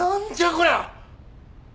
こりゃ！